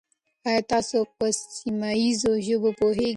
آیا تاسو په سیمه ییزو ژبو پوهېږئ؟